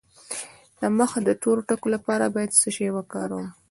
د مخ د تور ټکو لپاره باید څه شی وکاروم؟